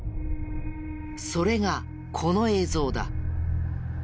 それがこの映像だ。